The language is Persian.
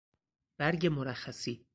برگ مرخصی